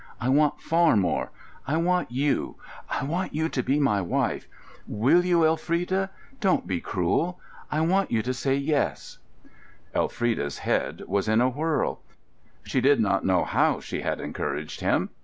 I want far more. I want you—I want you to be my wife. Will you, Elfrida? Don't be cruel. I want you to say 'yes'!" Elfrida's head was in a whirl. She did not know how she had encouraged him.